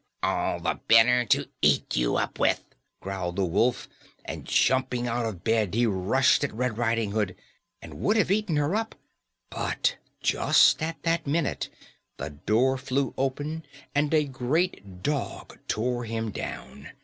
] "All the better to eat you up with," growled the wolf, and, jumping out of bed, he rushed at Red Riding Hood and would have eaten her up, but just at that minute the door flew open and a great dog tore him down.